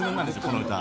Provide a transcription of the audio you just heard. この歌。